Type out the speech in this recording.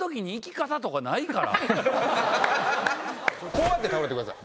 こうやって倒れてください。